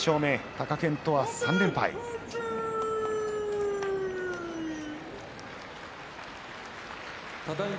貴健斗は３連敗です。